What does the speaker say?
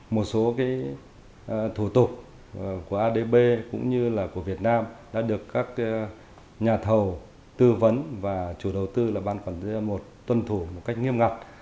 một số thủ tục của adb cũng như là của việt nam đã được các nhà thầu tư vấn và chủ đầu tư là ban quản lý một tuân thủ một cách nghiêm ngặt